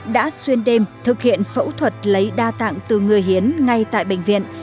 đã xuyên đêm thực hiện phẫu thuật lấy đa tạng từ người hiến ngay tại bệnh viện